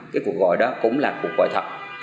cái cuộc gọi đó cũng là cuộc gọi thật